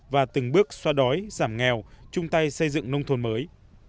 và từng bước xoa đói giảm nghèo chung tay xây dựng nông thôn mới